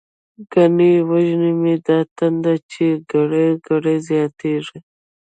ګنی وژنی می دا تنده، چی ګړۍ ګړۍ زياتيږی